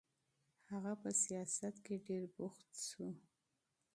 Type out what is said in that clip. هغه په سیاست کې ډېر بوخت شو.